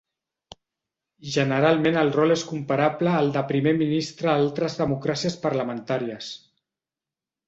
Generalment el rol és comparable al de primer ministre a altres democràcies parlamentàries.